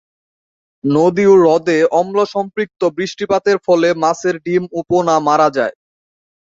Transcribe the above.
নদী ও হ্রদে অম্লসম্পৃক্ত বৃষ্টিপাতের ফলে মাছের ডিম ও পোনা মারা যায়।